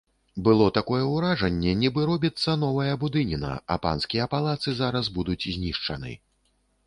Было такое ўражанне, нібы робіцца новая будыніна, а панскія палацы зараз будуць знішчаны.